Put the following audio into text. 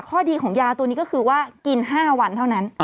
ข้อดีของยาตัวนี้ก็คือว่ากิน๕วันเท่านั้น